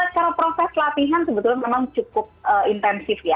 kalau proses latihan sebetulnya memang cukup intensif ya